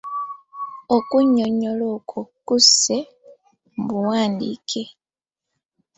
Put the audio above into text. Okunnyonnyola okwo kusse mu buwandiike.